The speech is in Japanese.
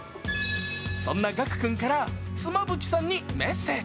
そんな岳玖君から妻夫木さんにメッセージ。